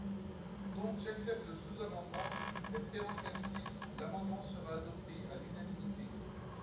Donc, j’accepte le sous-amendement, espérant qu’ainsi, l’amendement sera adopté à l’unanimité.